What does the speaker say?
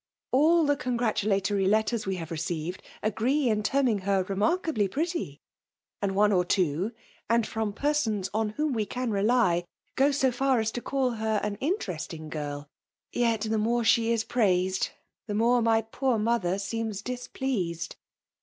— all the congratulatory letters we htfvc received, agree in terming her remark ably pretty ; and one or two, and fibni pemons on whom we can rely, go so far as to call be^ an interestmg girL Yet, the more sht^ is praised^ the more my poor mother seems dia* pleased.'